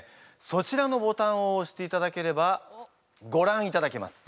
そちらのボタンをおしていただければごらんいただけます。